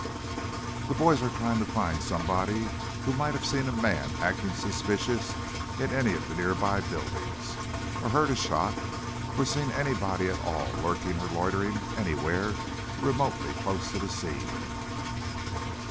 The boys are trying to find somebody who might have seen a man acting suspicious in any of the nearby buildings, or heard a shot, or seen anybody at all lurking or loitering anywhere remotely close to the scene."